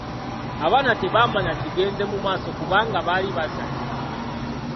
Abaana tebamanya kigenze mu maaso kubanga bali bazannya.